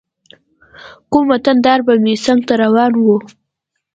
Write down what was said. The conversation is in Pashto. کوم وطن دار به مې څنګ ته روان و.